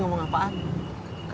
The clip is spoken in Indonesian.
kata neng ani beli di tanah rika